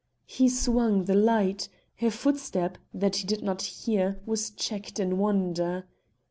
He swung the light; a footstep, that he did not hear, was checked in wonder.